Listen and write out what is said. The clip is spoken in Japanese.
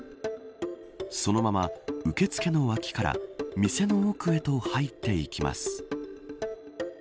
そのまま、受付の脇から店の奥へと入っていきます。